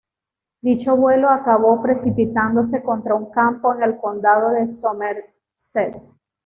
Dicho vuelo acabó precipitándose contra un campo en el condado de Somerset.